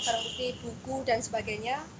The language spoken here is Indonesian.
barang bukti buku dan sebagainya